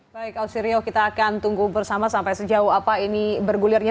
baik ausirio kita akan tunggu bersama sampai sejauh apa ini bergulirnya